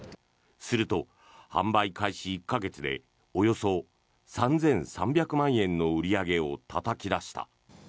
すると、販売開始１か月でおよそ３３００万円の売り上げをたたき出した。